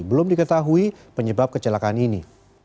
belum diketahui penyebab kecelakaan ini